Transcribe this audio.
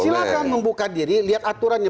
silahkan membuka diri lihat aturannya